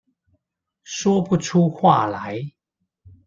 說不出話來